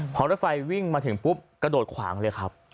พอรถไฟวิ่งมาถึงปุ๊บกระโดดขวางเลยครับ